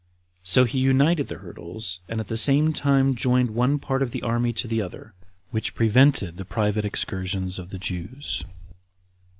So he united the hurdles, and at the same time joined one part of the army to the other, which prevented the private excursions of the Jews.